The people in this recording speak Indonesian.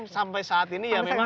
sampai saat ini ya memang